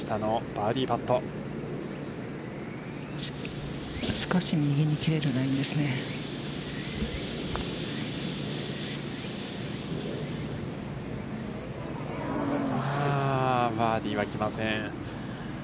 バーディーは来ません。